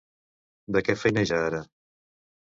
De què feineja ara?